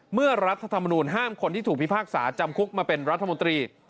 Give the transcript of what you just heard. รัฐธรรมนูลห้ามคนที่ถูกพิพากษาจำคุกมาเป็นรัฐมนตรี